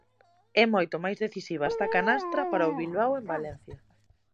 E moito máis decisiva esta canastra para o Bilbao en Valencia.